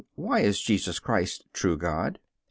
Why is Jesus Christ true God?